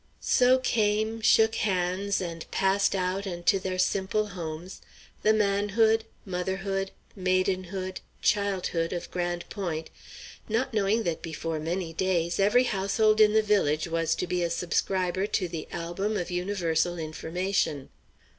So came, shook hands, and passed out and to their simple homes, the manhood, motherhood, maidenhood, childhood of Grande Pointe, not knowing that before many days every household in the village was to be a subscriber to the "Album of Universal Information."